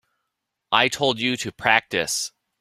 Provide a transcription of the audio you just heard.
I told you to practice.